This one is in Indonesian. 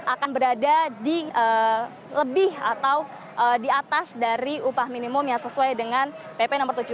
akan berada di lebih atau di atas dari upah minimum yang sesuai dengan pp no tujuh belas